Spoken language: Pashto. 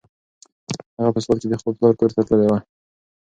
هغه په سوات کې د خپل پلار کور ته تللې وه.